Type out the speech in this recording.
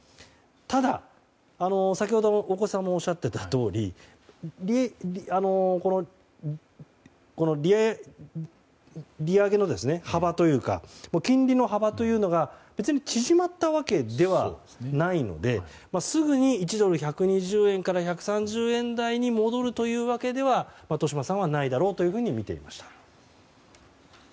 ただ、先ほど大越さんもおっしゃっていたとおり利上げの幅というか金利の幅というのが別に縮まったわけではないのですぐに１ドル＝１２０円から１３０円台に戻るというわけでは豊島さんはないだろうとみていました。